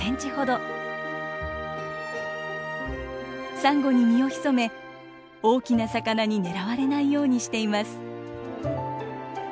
サンゴに身を潜め大きな魚に狙われないようにしています。